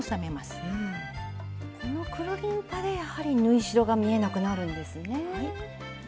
このくるりんぱでやはり縫い代が見えなくなるんですね。